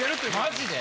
マジで！？